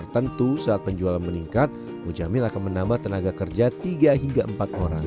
tentu saat penjualan meningkat mujamil akan menambah tenaga kerja tiga hingga empat orang